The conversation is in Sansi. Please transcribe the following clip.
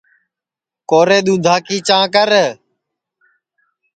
کورے دُؔدھا کی چانٚھ کر